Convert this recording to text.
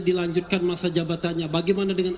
dilanjutkan masa jabatannya bagaimana dengan